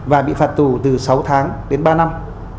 và bị phạt tù từ sáu tháng đến ba năm